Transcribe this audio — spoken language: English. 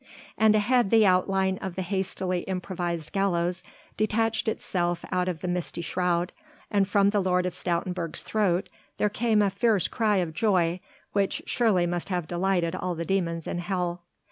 And ahead the outline of the hastily improvised gallows detached itself out of the misty shroud, and from the Lord of Stoutenburg's throat there came a fierce cry of joy which surely must have delighted all the demons in hell.